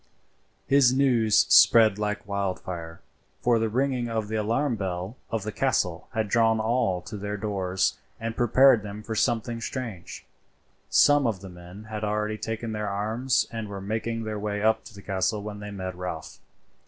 His news spread like wildfire; for the ringing of the alarm bell of the castle had drawn all to their doors and prepared them for something strange. Some of the men had already taken their arms and were making their way up to the castle when they met Ralph.